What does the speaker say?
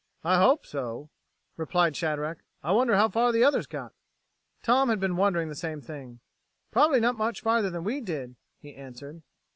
"I hope so," replied Shadrack. "I wonder how far the others got?" Tom had been wondering the same thing. "Probably not much farther than we did," he answered.